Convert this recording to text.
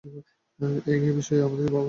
এ বিষয়ে আমাদের ভাবা উচিত।